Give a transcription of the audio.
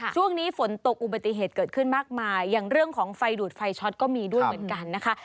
ช่วงนี้ฝนตกอุบัติเหตุเกิดขึ้นมากมายอย่างเรื่องของไฟดูดไฟช็อตก็มีด้วยเหมือนกันนะคะ